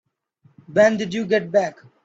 When did you get back?